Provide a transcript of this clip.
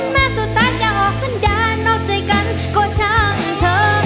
แม้สุดท้ายจะออกขึ้นด้านออกใจกันก็ช่างเธอ